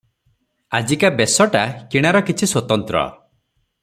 ଆଜିକା ବେଶଟା କିଣାର କିଛି ସ୍ୱତନ୍ତ୍ର ।